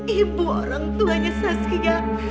ibu orang tuanya saskia